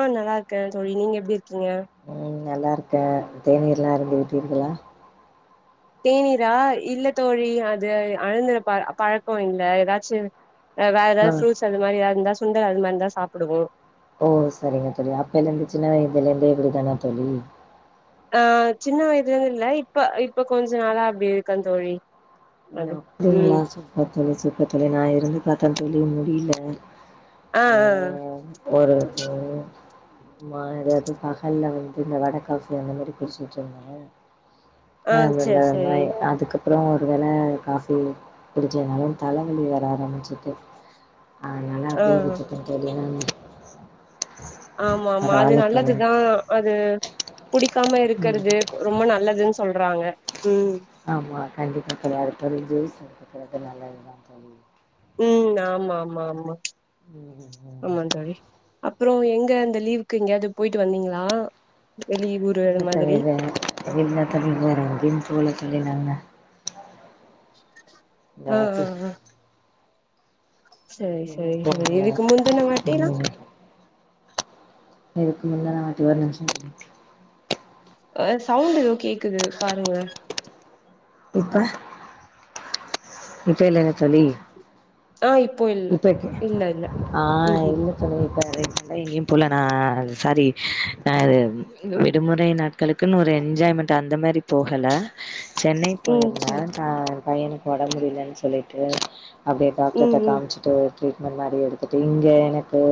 ஆஹ் நல்லா இருக்கே தோழி நீங்க எப்டி இருக்கீங்க உம் நல்லா இருக்கே தேநீர்ல்லா அருந்து விட்டீர்கலா தேநீரா இல்ல தோழி அது அழுந்துற ப பழக்கோ இல்ல எதாச்சு வேற ஆ எதாவ்து ஃப்ரூட்ஸ் அது மாதிரி எதாவ்து இருந்தா சுண்டல் அது மாதிரி தா சாப்பிடுவோ ஓ சரிங்க தோழி அப்பல இருந்தே சின்ன வயதுலருந்தே இப்டிதானா தோழி ஆஹ் சின்ன வயதுலருந்து இல்ல இப்ப இப்ப கொஞ்ச நாளா அப்டி இருக்கே தோழி ஓ அது அப்டிங்களா ம் சூப்பர் தோழி சூப்பர் தோழி நா இருந்து பாத்தே தோழி முடில ஆ ஆ உம் ஒரு ஆமா எதாவ்து பகல்ல வந்து இந்த வடக்காஃபி அந்த மாரி குடிச்சுட்டு இருந்தே ஆ அவ்ளோதா சேரி சேரி அதுக்கப் அப்புறோ ஒரு வேள காஃபி குடிக்கலனாலு தலவலி வர ஆரம்பிச்சுருது அதனால ஆ அப்டியே விட்டுட்டே தோழி ம் ஆமா ஆமா அது நல்லதுதா அது குடிக்காம ம் இருக்கறது ரொம்ப நல்லதுன்னு சொல்றாங்க உம் ஆமா கண்டிப்பா தோழி [unintelligible] நல்லதுதா தோழி உம் ஆமா ஆமா ஆமா ம். ஆமா தோழி அப்புறோ எங்க இந்த லீவுக்கு எங்கேயாது போயிட்டு வந்தீங்களா வெளியூரு இல்ல அந்த தோழி மாதிரி வே இல்ல தோழி வேற எங்கயு போகல தோழி நாங்க ஆ இந்தவாட்டி சேரி எங்கயுமே சேரி சேரி போகல இதுக்கு முந்துன வாட்டீலா ம் இதுக்கு முந்துன வாட்டி ஒரு நிமிஷோ தோழி ஆஹ் சவுண்ட் எதோ கேக்குது பாருங்க எப்ப இப்ப இல்லல்ல தோழி ஆ இப்போ இல்ல இப்ப இல்ல இல்ல ம்ஹூம் கேக் தோழி இப்ப நா ரீசன்ட்டா எங்கேயு போல நா சரி நது விடுமுறை நா நாட்களுக்குன்னு ஒரு என்ஜாய்மெண்ட் அந்த மாரி போகல சென்னை ம் போயிருந்தே சரி நா பையனுக்கு உடம் முடியலன்னு சொல்லிட்டு அப்டியே ம் டாக்டர்க்ட ம் காமிச்சுட்டு ட்ரீட்மெண்ட் மாரி எடுத்துட்டு இங்க எனக்கு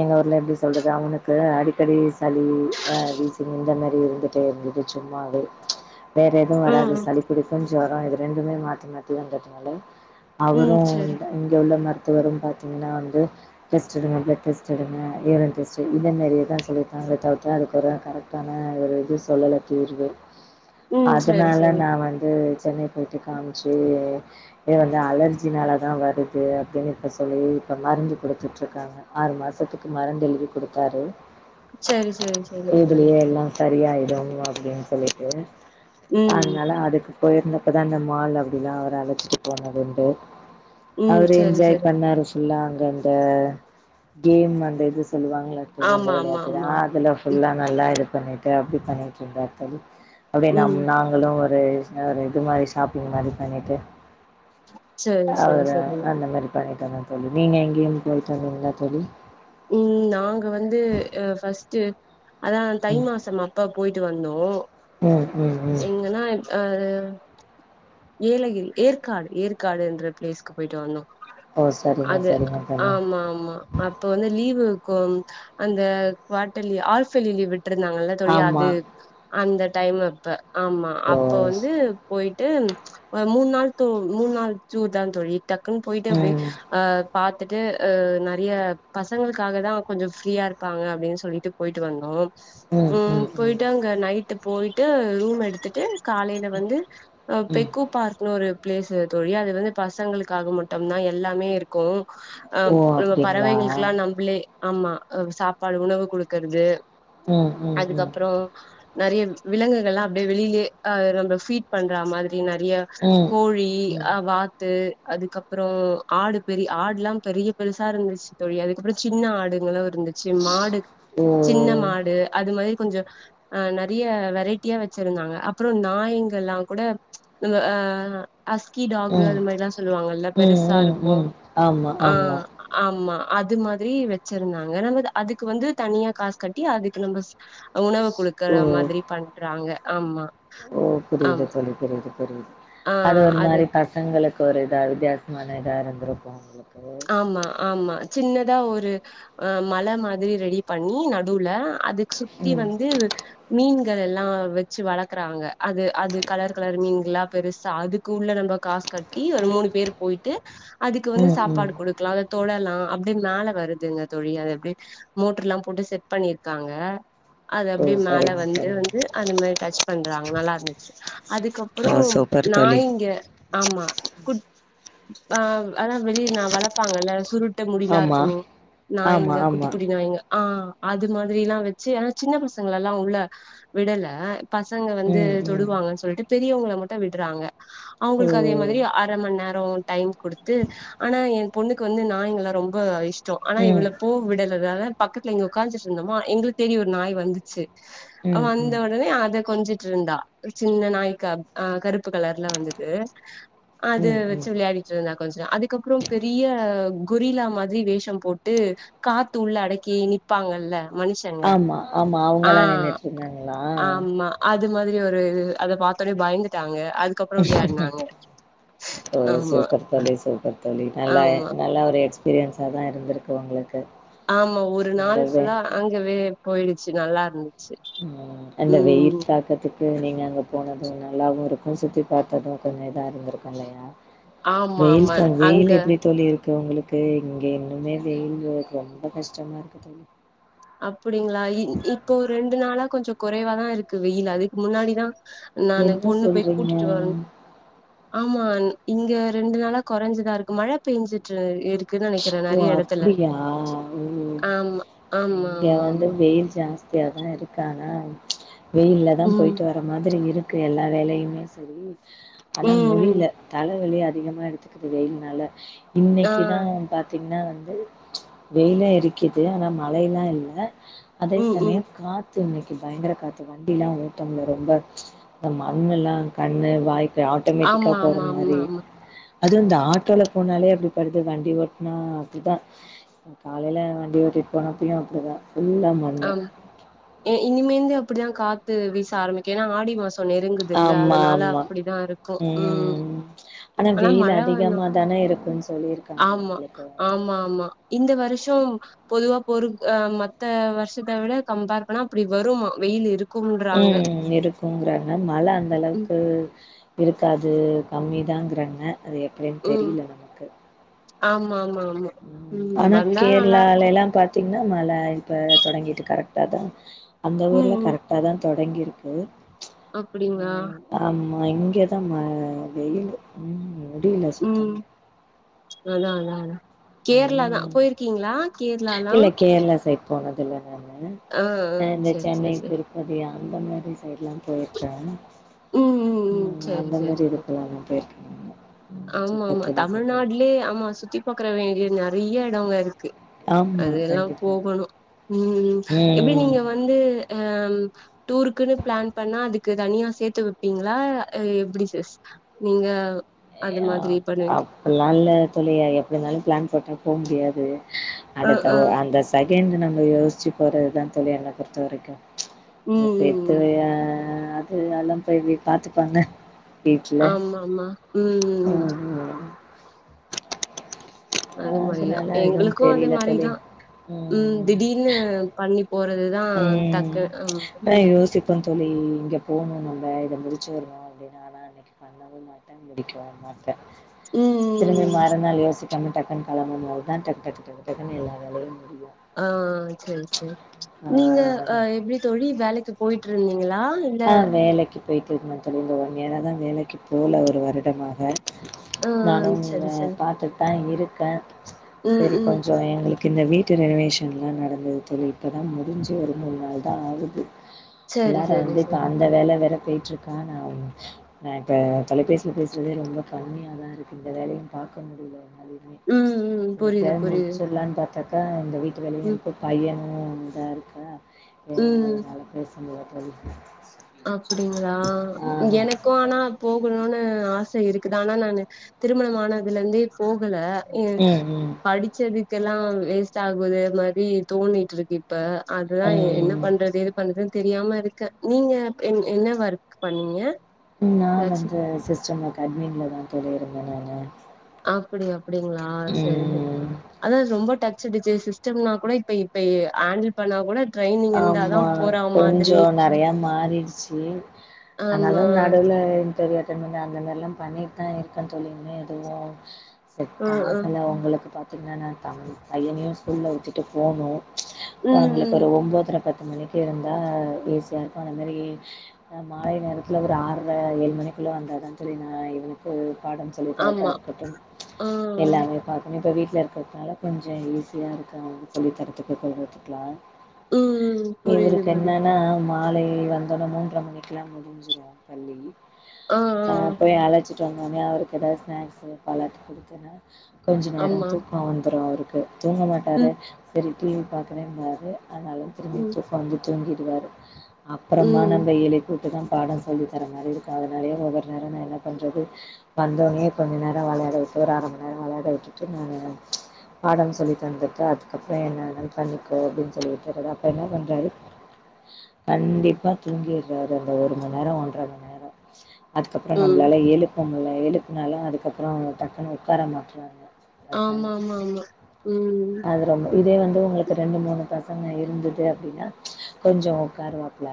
எங்க ஊர்ல எப்டி சொல்றது அவனுக்கு அடிக்கடி சளி வீஷிங் இந்த மாரி இருந்து டே இருந்தது சும்மாவே வேற எதுவு ஆ வராது ஆ சளி புடிக்கு ஜொரொ இது ரெண்டுமே மாத்தி மாத்தி வந்ததுனால அவரு ம் சரி இங்க உள்ள மருத்துவரு பாத்தீங்கன்னா வந்து டெஸ்ட் எடுங்க பிலெட் டெஸ்ட் எடுங்க யூரின் டெஸ்டு இந்த மாறியேதா சொல்லிருக்காங்ளே தவிர்த்து அதுக்கு ஒரு கரெட் ஆன ஒரு இது சொல்லல தீர்வு ம் சரி அதனால சரி நா வந்து சென்னை போய்ட்டு காம்ச்சி இத வந்து அலர்ஜினாலதா வருது அப்டினு இப்ப சொல்லி இப்ப மருந்து குடுத்துட்ருக்காங்க ஆறு மாசத்துக்கு மருத்து எழுதி குடுத்தாரு சரி சரி சரிங்க தோழி இதுலியே எல்லா சரியாய்டு அப்டினு சொல்லிட்டு ம் அதனால அதுக்கு போயிருந்தப்பதா இந்த மால் அப்டிலா அவர அழச்சிட்டு போனதுண்டு ம் அவரு சரி என்ஜாய் சரி பண்ணாரு ஃபுல்லா அங்க அந்த கேம் அந்த இது சொல்லுவாங்ல புளைங்க ஆமா ஆமா வெளையாட்டுதா ஆமா அதுலப் ம் ஃபுல்லா நல்லா இதுப் பண்ணிட்டு அப்டி பண்ணிட்ருந்தார் தோழி அப்டி நம் ம் நாங் களு ஒரு சின்ன இது மாரி ஷாப்பிங் மாரிப் பண்ணிட்டு சரி சரி அவரு சரி அந்த மாரி பண்ணிட்டு வந்தோந் தோழி நீங்க எங்கியும் போய்ட்டு வந்திங்ளா தோழி ம் நாங்க வந்து அ ஃபர்ஸ்டு அதா தை மாசம் அப்போ போயிட்டு வந்தோ ம் ம் ம் எங்கனாயிம் ஆரு ஏலகிரி ஏற்காடு ஏற்காடுன்ற பிளேஸ்க்கு போயிட்டு வந்தோ ஓ சரிங்க அது சரிங்க தோழி ஆமா மா அப்போ வந்து லீவு இக்கும் அந்த குவாட்டெலி ஆல்ஃபெலி லீவ் விட்ருந்தாங்கல்லட் தோழி ஆமா அது அந்த டைம் அப்ப ஆமா ஓ அப்ப வந்து போயிட்டு அ மூன் நாள் தூம் மூன் நாள் சூர்தாந் தோழி டக்குன் போயிட்டு அபே ம் அ பாத்துட்டு அ நெறய பசங்கிள்க்காகதா கொஞ்சோ ஃப்ரீயா இருப்பாங்க அப்டினு சொல்லிட்டுப் போயிட்டு வந்தோம் ம் போயிட்டு அங்க நைட்டு்ப் போயிட்டு ரூம் எடுத்துட்டு காலைல வந்து ம் பெக்கோ பார்க்னு ஒரு பிளேஸு தோழி அது வந்து பசங்களுக்காக மட்டும்தா எல்லாமே இருக்கு ஓ அம் நம்ம அப்டிங்களா பறவைங்ளுக்குலா நம்புளே அம்மா அ சாப்பாடு உணவு குடுக்கறது ம் ம் ம் அதுக்கப்றோ நெறைய விலங்குகள்லா அப்டியே வெளிலே அ நம்ம ஃபீட் பண்றா மாதிரி நெறைய ம் கோழி ம் அ வாத் து அதுக்கப்பறோ ஆடு பெரி ஆட்லாம் பெரிய பெருசா இருந்துச்சு தோழி அதுக் கப்பறோ சின்ன ஆடுங்களு இருந்துச்சு மாடுக் சின்ன ஓ மாடு அது மாரி கொஞ்சோ அ நெறைய வெரைட்டியா வெச்சிருந்தாங்க அப்பறோ நாய்ங்கெல்லாங் கூட இந்த அ அஸ்கி டாகு ம் அது மேரிலா சொல்லுவாங்கல்லப் ம் பெருசா ம் இருக்கு ம் ஆமா ஆ ஆமா ஆமா அது மாதிரி வெச்சிருந்தாங்க நம்மது அதுக்கு வந்து தனியா காச் கட்டி அதுக்கு நம்மச் உணவு குடுக்கற ஓ மாதிரி பண்றாங்க ஆமா ஓ புரியிது ஆமா தோழி புரியிது புரியிது ஆ அது ஒரு மாரி பச் சங்களுக்கு ஒரு இதா வித்தியாசமான இதா இருந்துருக்கு உங்ளுக்கு ஆமா ஆமா சின்னதா ஒரு அ மல மாதிரி ரெடி பண்ணி நடுவுல அது சுத்தி ம் வந்து மீன்கலெல்லா வெச்சு வளக்றாங்க அது அது கலரு கலரு மீன்களாப் பெருசா அதுக்கு உள்ள நம்ப காச் கட்டி ஒரு மூனு பேரு போயிட் ட்டு அதுக்கு வந்து ம் ம் சாப்பாடு குடுக்லா அதத் தொடலா அப்டே மேல வருதுங்க தோழி அது அப்டே மோட்ருலாம் போட்டு செட் பண்ணிர்காங்க அது ஓ அப்டே மேல சரிங்க வந்து சரிங்க வந்து அந்த மாரி டச் பண்றாங்க நல்லாருந்துச்சு அதுக்கப்றோ ஓ சூப்பர் தோழி நாய்ங்க ஆமா குட் ஆ அதா வெளிய நா வளர்ப்பாங்கல்ல சுருட் ட முடிலா ஆமா இருக்குமே ஆமா நாய்ங்க குட்டி ஆமா குட்டி நாய்ங்க ஆ அது மாதிரியிலா வெச்சு ஆனா சின்ன பசங்களல்லா உள்ள விடல பசங்க வந்து ம் ம் தொடுவாங்கன் சொல்ட்டு பெரியவுங்கள மட்டு விடறாங்க ஓ அவுங்குள்க்கு அதே மாதிரியா அரமண் நேரோ டைம் குடுத்து ஆனா எ பொண்ணுக்கு வந்து நாய்ங்களா ரொம்ப இஷ் டோ ஆனா ம் இவள போ விடலதால பக்கத்துல இங்க உக்காஞ்சிட்டு இருந்தோமா எங்கள தேடி ஒரு நாய் வந்துச்சு ம் வந்த ம் உடனே அத கொஞ்ச ட்ருந்தா சின்ன நாய்க்கா ஆ கருப்பு கலர்ல வந்துது அது ம் வெச்சு ம் விளயாடிட்ருந்தா கொஞ்சொ அதுக்கப்றோ பெரிய கொரிலா மாதிரி வேஷம் போட்டு காத்து உள்ள அடக்கி நிப்பாங்கல்ல மனுஷங்க ஆமா ஆமா ஆ அவங்கல்லா நின்னுட்டு இருந்தாங்களா ஆமா அது மாதிரி ஒரு அத பாத்தோனே பயந்துட்டாங்க அது க்கப்றோ விளயாடுனாங்க ஓ ஆமா சூப்பர் தோழி சூப்பர் தோழி நல்லா ஆமா நல்லா ஒரு எக்ஸ்பீரியன்ஸாதா இருந்திருக்கு உங்களுக்கு ஆமா ஒரு நாள் அந்த வெ ஃபுல்லா அங்கவே போயிடுச்சு நல்லாருந்து ம் அந்த வெயில் தாக்கத்துக் கு நீங்க அங்க போனது நல்லாவு இருக்கு சுத்தி பாத்தது கொஞ்சோ இதா இருந்திருக்கு இல்லயா ஆமா வெயில் ஆமா த அங்க வெயில் எப்டி தோழி இருக் கு உங்களுக்கு இங்க இன்னுமே வெயிலு ரொம்ப கஷ்டமா இருக்கு தோழி அப்படிங்ளா இ இப்போ ரெண்டு நாளா கொஞ்சோ குறைவாதா இருக்கு வெயில் அதுக்கு முன்னாடிதா நானு என்ன பொண்ணு போய் கூட்டிட்டு சொல்றீங்க வரனு ஆமா இங்க ரெண்டு நாளா கொறஞ்சுதா இருக்கு மழ பேஞ்சுட்டு இருக் குன் நெனைக்கிறே ஓ நெறைய எடத்துல அப்டியா ஓ ஆமா ஆமா இங்க ஆமா வந்து ஆமா வெயில் ஜாஸ் தியாதா இருக்கு ஆனா வெயில்லதா ம் போயிட்டு வர மாதிரி இரு க்கு எல்லா வேலையுமே செரி ம் ஆனா ம் முடில தலைவலி அதிகமா எடுத்து க்குது வெயில்னால ஆ இன்னைக்குதா பாத்திங்னா வந்து வெயிலா எரிக்குது ஆனா மழைல்லா இல்ல அதே ம் ம் சமயம் காத் து இன்னைக்கு பயங்கர காத்து வண்டி எல்லா ஓட்ட முடில ரொம்ப இந்த மண்ணுலா கண்ணு வாய்க் ஆட்டோமேட்டிக்கா ஆமா போற ஆமா ஆமா மாரி ஆமா அது இந்த ஆட்டோல போனாலே அப்படிப்படுது வண்டி ஓட் நா அப்டிதா காலையில வண்டி ஓட்டிட்டு போனப்பயு அப்டிதா ஃபுல்லா மண்ணு ஆமா இ இனிமேந்து அப்படிதா காத்து வீச ஆரம்பிக்கு ஏன்னா ஆடி மாச நெருங்குதுல்ல ஆமா அதனால ஆமா அப்படிதா இருக்கு ம் ஆனா வெயில் மழ வந்தா அதிகமா தான இருக்குன்னு சொல்லியிருக்காங்க ஆமா உங்களுக்கு ஆமா ஆமா இந்த வருஷம் பொதுவா பொரு அ மத்த வரு ஷத்த விட கம்பேர் பண்ணா அப்படி வருமா வெயில் இருக் ம் ம் இருக் குங்றாங்க மழ ம் அந்தளவுக்கு இருக்காது கம்மி தாங்றாங்க அது எப்டின் ம் தெரில நமக்கு ஆமா ஆமா ஆமா ம் ஆனா வந்தா நல்லா இருக்கு கேரளாலலா பாத் திங்னா மழ இப்ப தொடங்கிட்டு கரெக்டாதா அந்த ம் ஊர்ல ம் கரெக் டாதா தொடங்கிருக்கு அப்டிங்களா ஆமா இங்கேதா ம வெயிலு ம் முடில ம் சுத்தமா அதா அதா அதா கேரளாதா ம் போயிருக்கிங்ளா கேரளாலா இல்ல கேரளா சைடு போனதில்ல நானு ஆ ஆ அ இந்த சேரி சென்னை சேரி சேரி திருப்பதி அந்த மாரி சைடலா போயிருக்க ம் ம் சேரி அந்த மாரி சேரி இருக்குறாங்க பேர் ஆமா ஆமா தமிழ்நாட்லே ஆமா சுத்தி பாக்குற வேண்டிய நெறையா எடங்க இருக்கு ஆமா அதெல்லா கண்டிப்பா போகணு ம் எப்டி ம் நீங்க வந்து அ டூருக்குன்னு பிளான் பண்ணா அதுக்கு தனியா சேத்து வப்பீங்ளா எப்டி சிஸ் நீங்க அது [inaudible] மாதிரி அப் பண்ணுவீங்க அப்டிலா இல்ல தோழி எப்டிருந்தாலு பிளான் போட்டா போ முடியாது ஆ அடுத்த ஆ ஒ அந்த செகண்டு நம்ம யோசிச்சு போறதுதா தோழி என்ன பொறுத்த வரைக்கு அது ம் சேத்து ம் வையா அது நலம் தோழி பாத்துப்பாங்க வீட்ல ஆமா ஆமா ம் ம் அது மாரிதா அதனால எதுவு எங்களுக்கு அது தெரியல தோழி மாரிதா ம் திடீர்னு பண்ணி போறதுதா டக்கு [inaudible] அப்பற தோழி இங்க போணு நம்ப இத முடிச்சு வருவோ அப்டின்னு ஆனா இன்னைக்கிப் பாத் பண்ணவு மாட்ட முடிக்கவு மாட்ட ம் திரும்பி ம். மறுநாள் யோசிப் [unintelligible] டக்குன்னு கெளம்பும்போது தா டக்கு டக்கு டக்கு டக்குன்னு எல்லா வேலையையு முடியு ஆ செரி செரி ஆ நீங்க அ எப்டி தோழி வேலைக்கி போய்ட்டுருந்தீங்ளா ஆ வேலைக்கி போயிட்டு இருந்தே தோழி இந்த ஒன் இயிரா தா வேலைக்கி போல ஒரு வருடமாக ம் நானும் இங்க சரி சரி பாத்துட்டு தா இருக்க ம் செரி ம் கொஞ்சோ எங்களுக் கு இந்த வீட்டு ரெனவேஷன்லா நடந்தது தோழி இப்ப தா முடிஞ்சு ஒரு மூணு நாள்தா ஆகுது சரி உள்ளார சரி வந்து இப்போ சரி அந்த வேல வேற போய்ட்டுருக்கா நா நா இப்ப தொலைபேசியில பேசுறதே ரொம்ப கம்மியாதா இருக்கு இந்த வேலையு பாக்க முடியி ல அதனாலயே ம் ம் இத புரியுது எப்டியாது புரியுது முடிச்சிட்லானு பாத்தாக்கா இந்த வீட்டு வேலையு ம் இருக்கு பையனு ம் இந்த இருக்கா ஆ ம் அதனால பேச முட்ல்ல தோழி அப்டிங்களா ஆ எனக் கோனா போகணுன்னு ஆச இருக்குது ஆனா நானு திருமணமானதுல இந்து போகல அ ம் ம் படிச்சது எல்லா வேஸ்ட் ஆகுது மாரி தோணிட்டுருக்கு இப்ப அதது தா என்னப் ம் பண்றது எது பண்றதுன்னு தெரியாம இருக்க நீங்க எ என்ன ஒர்க் பண்ணீங்க நா ஏதாச்சு வந்து சிஸ்டம் க அட்மின்ல தா தோழி இருந்த நானு அப்டி அப்டிங்ளா சேரி ம். அதா ரொம்ப டச் விட்ச்சு சிஸ்டம்னா கூட இப்ப இப்ப [unintelligible] ட்ரைனிங் இருந்தாதா ஆமா போறா மாதிரி கொஞ்சோ நெறையா மாறிருச்சு ஆமா அதனால நாடுவுல எதும் தெரியாது திரும்பமே அந்த மாரில்லா பண்ணிட்தா இருக்க தோழி இன்னு எதுவு செட் ஆ ஆ ஆகல உங்களுக்கு பாத் [unintelligible] பையனையு ஸ்கூல்ல விட்டுட்டு போனு ம் அவங்களுக்கு ஒரு ம் ஒம்ப த்தர பத்து மணிக்கி இருந்தா ஈசியா இருக்கு அந்த மாரி ஆ மாலை நேரத்துல ஒரு ஆற்ர ஏழு மணிக்குள்ள வந்தாத தோழி நா இவனுக்கு பாடம் சொ ல்லி கரெக்டா ஆமா இருக்கட்டும் ஆ ம் எல்லாமே பாக்கணு இப்ப வீட்ல இருக்கிறதுனால கொஞ்சோ ஈஸியா இருக்கு அவனுக்கு சொல்லி தரத்துக்கு [unintelligible] ம் புரியுது இவருக்கு புரியுது என்னன்னா மாலை வந்தோன மூன்ற மணிக்குல்லா முடிஞ்சிரு பள்ளி ஆ ஆ அ போய் அழச்சிட்டு வந்தோனே அவருக்கு ஏதாவது ஸ்நாக்ஸ்சு பழதத குடுத்தேன கொஞ்ச நேரோ ஆமா தூக்க வந்துரு அவருக்கு தூங்க மாட்டாரு ம் செரி டிவி பாக்றேம்பாரு ஆனாலு திரும்பி ம் தூக்க வந்து தூங்கிடுவாரு அப்பறமா ம் நம்ம எழுப்பி வுட்டு தா பாடோ சொல்லி தர மாதிரி இருக்கு அதனாலேய ஒவ்வொரு நேரோ நா என்ன பண்ணுறது வந்தோனே கொஞ்ச நேரோ வெளாட விட்டு ஒரு அர மணி நேரோ வெளாட விட்டுட்டு நானு ச் பாடம் சொல்லி தந்துட்டு அதுக்கப்பறோ என்ன வேனா பண்ணிக்கோ அப்டின்னு சொல்லிட்டு இப்ப என்ன பன்றாரு கண்டிப்பா தூங்கிடுறாரு அந்த ஒரு மணி நேரோ ஒன்றர மணி நேரோ அதுக்கப்றோ ம் நம்மளாலா எழுப்ப முடில எழுப்புனாலு அதுக்கப்பறோ அவ டக்குன்னு உட்கார மாட்ற்றா ஆமா ஆமா ஆமா ம் அது ரொம்ப இதே வந்து உங்களுக்கு ரெண்டு மூணு பசங்க இருந்துட்டு அப்டின்னா ச் கொஞ்சோ உட்கார வாய்பில்ல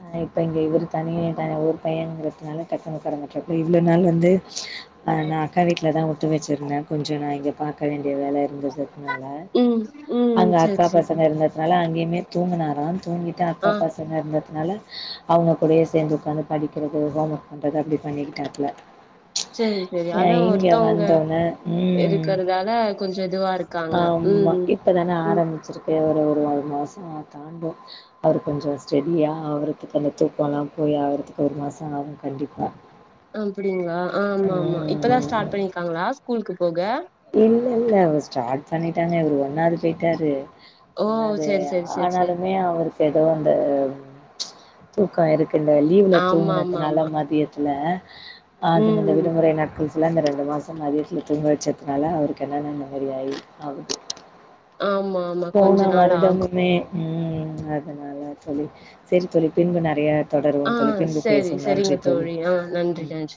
அ இப்போ இங்கே இவரு தனிய தனி ஊர் பையங்கிறதுனால டக்குனு உட்கார மாட்றாரு இவ்ளோ நாள் வந்து ஆ நா அக்கா வீட்லதா விட்டு வச்சுருந்தே கொஞ்ச நா இங்கே பாக்க வேண்டிய வேல இருந்ததுனால ம் ம் அங்க செரி அக்கா செரி பசங்க இருந்துச்சு அதனால அங்கேயுமே தூங்கினாரா தூங்கிட்டு ஆ அக்கா பசங்க இருந்ததுனால அவங்க கூடயே சேந்து உக்காந்து படிக்கிறிது ஹோம் ஒர்க் பண்றது அப்டி பண்ணிக்கிட்டாப்ல செரி செரி அ அதா இங்க ஒருத்தங்க வந்தோனே ம் இருக்கறதால கொஞ்சோ இதுவா இருக் க்காங்க ம் ம் இப்போதானே ஆரம்பிச்சிருக்கு ஒரு ஒரு ஒரு மாசோ தாண்டு அவர் கொஞ்சோ ஸ்டெடியா அவருக்கு அந்த தூக்கொ எல்லா போய் அவருக்கு ஒரு மாசோ ஆகு கண்டிப்பா [inaudible] அப்டிங்களா ஆமா ஆமா இப்பதா ம் ஸ்டார்ட் பண்ணிருக்காங்களா ஸ்கூலுக்கு போக இல்ல இல்ல அவ ஸ்டார்ட் பண்ணிட்டாங்க இவரு ஒன்னாவது போயிட்டாரு ஓ! ஒன்னாவது சரி, சரி, சரி, சரி. ஆனாலுமே அவருக்கு ஏதோ அந்த ச் தூக்கோ இருக்கு இந்த லீவுல ஆமா, ஆமா, தூங்குனதுனால ஆமா. மதியத்துல ம். அதுனது விடுமுறை நடக்கு இந்த ரெண்டு மாசோ மதியத்துல தூங்க வச்சதுனால அவருக்கு என்னன்ன அந்த மாரி ஆகுது ஆமா ஆமா போன கொஞ்ச நாள் ஆகு வருடமுமே ம் அதனால தோழி செரி தோழி பின்பு நெறைய தொடருவோ ஆ தோழி பின்பு சரி, பேசுவோ நன்றி சரிங்க தோழி ஆ நன்றி, ம் நன்றி.